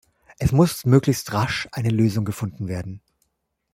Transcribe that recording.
Es muss möglichst rasch eine Lösung gefunden werden.